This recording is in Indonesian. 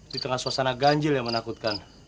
di tengah suasana ganjil yang menakutkan